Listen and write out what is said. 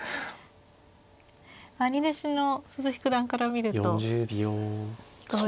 兄弟子の鈴木九段から見るとどういった。